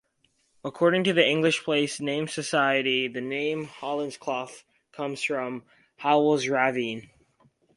According to the English Place-Name Society, the name Hollinsclough comes from "Howel's ravine".